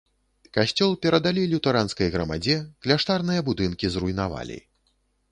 Касцёл перадалі лютэранскай грамадзе, кляштарныя будынкі зруйнавалі.